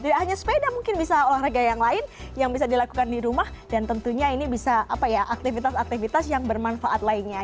tidak hanya sepeda mungkin bisa olahraga yang lain yang bisa dilakukan di rumah dan tentunya ini bisa apa ya aktivitas aktivitas yang bermanfaat lainnya